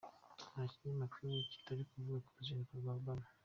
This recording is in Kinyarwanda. Nta kinyamakuru kitari kuvuga ku ruzinduko rwa Obama.